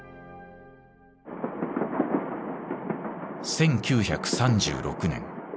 １９３６年